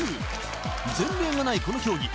前例がないこの競技